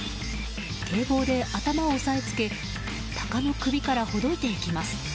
警棒で頭を押さえつけタカの首からほどいていきます。